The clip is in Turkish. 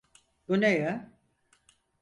Bu ne ya?